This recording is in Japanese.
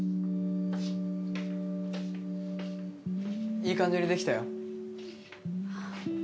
いい感じに出来たよ。